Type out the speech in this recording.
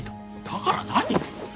だから何？